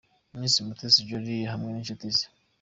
Miss Mutesi Jolly hamwe n'inshuti ze.